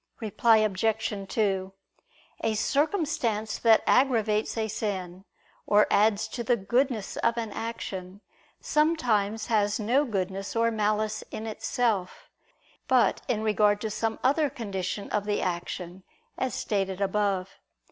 Reply Obj. 2: A circumstance that aggravates a sin, or adds to the goodness of an action, sometimes has no goodness or malice in itself, but in regard to some other condition of the action, as stated above.